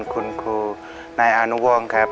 คุณครูนายอานุวงศ์ครับ